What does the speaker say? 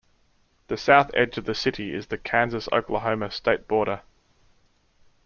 The south edge of the city is the Kansas-Oklahoma state border.